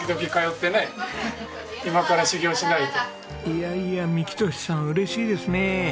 いやいや幹寿さん嬉しいですね。